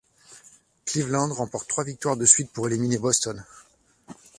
Cleveland remporte trois victoires de suite pour éliminer Boston.